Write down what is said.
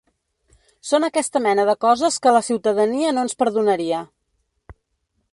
Són aquesta mena de coses que la ciutadania no ens perdonaria.